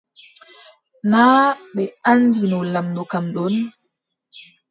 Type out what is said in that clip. Naa ɓe anndino lamɗo kam ɗon.